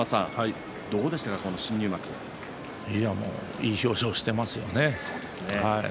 いい表情をしていますね。